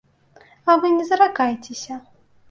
А вы не заракайцеся.